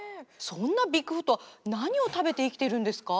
そんなビッグフットは何を食べて生きているんですか？